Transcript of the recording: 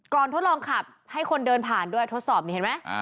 ทดลองขับให้คนเดินผ่านด้วยทดสอบนี่เห็นไหม